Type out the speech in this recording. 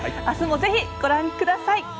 あすもぜひご覧ください。